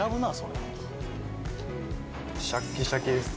シャッキシャキです。